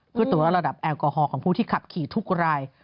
เพื่อตรวจระดับแอลกอฮอล์ของผู้ที่ขับขี่ทุกราย